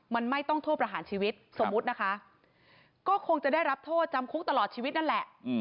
มันไม่ต้องโทษประหารชีวิตสมมุตินะคะก็คงจะได้รับโทษจำคุกตลอดชีวิตนั่นแหละ